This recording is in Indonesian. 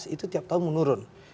itu tiap tahun menurun